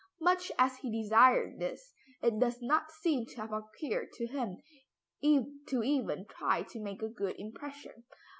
Much as he desired this, it does not seem to have occurred to him to even try to make a good impression.